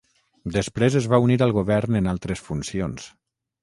Després, es va unir al govern en altres funcions.